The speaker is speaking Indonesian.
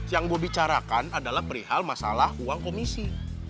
yang mau bicarakan adalah perihal masalah uang komisi